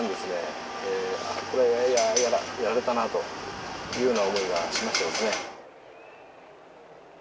これはやられたなというような思いがしましたですね。